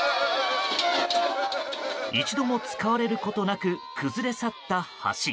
一度も使われることなく崩れ去った橋。